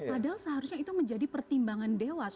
padahal seharusnya itu menjadi pertimbangan dewas